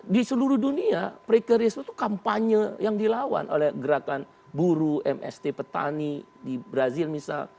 di seluruh dunia precaries itu kampanye yang dilawan oleh gerakan buruh mst petani di brazil misal